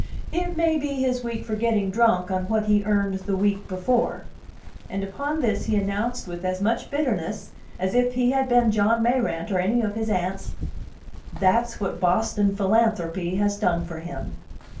"It may be his week for getting drunk on what he earned the week before." And upon this he announced with as much bitterness as if he had been John Mayrant or any of his aunts, "That's what Boston philanthropy has done for him."